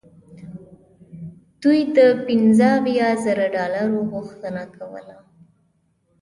دوی د پنځه اویا زره ډالرو غوښتنه کوله.